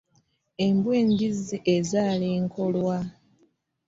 Embwa enjizzi ezaala enkolwa .